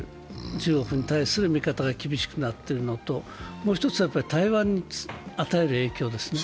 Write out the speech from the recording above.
中国に対する見方が厳しくなっているのと、もう一つは台湾に与える影響ですね。